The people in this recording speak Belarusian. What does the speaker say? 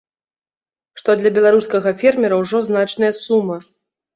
Што для беларускага фермера ўжо значная сума.